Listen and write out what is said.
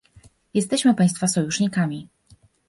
Jesteśmy państwa sojusznikami